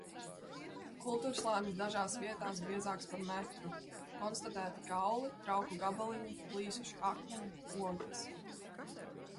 Kultūrslānis dažās vietās biezāks par metru, konstatēti kauli, trauku gabaliņi, plīsuši akmeņi, ogles.